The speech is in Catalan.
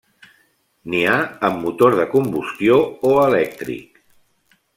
N'hi ha amb motor de combustió o elèctric.